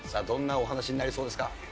どんなお話になりそうですか？